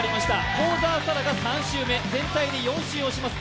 幸澤沙良が３周目、全体で４周をします。